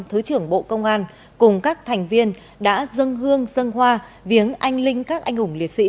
thứ trưởng bộ công an cùng các thành viên đã dâng hương dân hoa viếng anh linh các anh hùng liệt sĩ